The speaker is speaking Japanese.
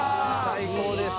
最高ですね」